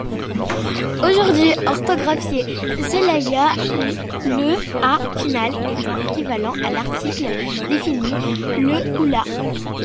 Aujourd'hui orthographié zelaia, le 'a' final étant équivalent à l'article défini le ou la.